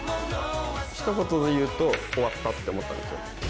一言で言うと終わったって思ったんですよ。